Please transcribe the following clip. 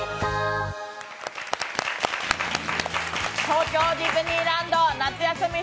東京ディズニーランド夏休み